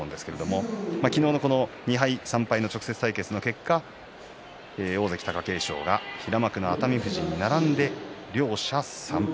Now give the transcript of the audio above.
昨日の２敗３敗の直接対決の結果は大関貴景勝が平幕の熱海富士に並んで３敗。